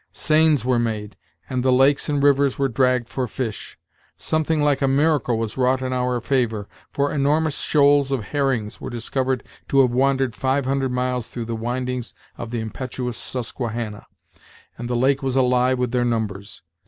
Seines were made, and the lakes and rivers were dragged for fish. Something like a miracle was wrought in our favor, for enormous shoals of herrings were discovered to have wandered five hundred miles through the windings of the impetuous Susquehanna, and the lake was alive with their numbers.